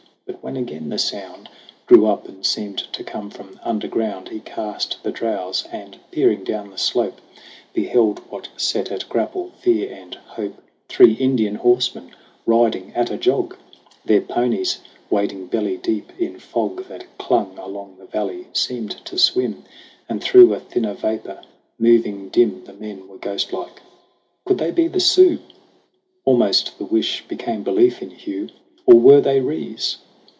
But when again the sound Grew up, and seemed to come from under ground, He cast the drowse, and peering down the slope, Beheld what set at grapple fear and hope Three Indian horsemen riding at a jog ! Their ponies, wading belly deep in fog, That clung along the valley, seemed to swim, And through a thinner vapor moving dim, The men were ghost like. Could they be the Sioux ? Almost the wish became belief in Hugh. Or were they Rees ?